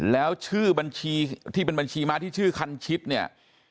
แล้วชื่อบัญชีที่เป็นบัญชีม้าที่ชื่อคันชิดเนี่ย